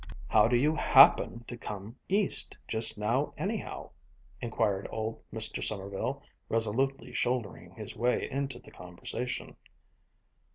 "How do you happen to come East just now, anyhow?" inquired old Mr. Sommerville, resolutely shouldering his way into the conversation.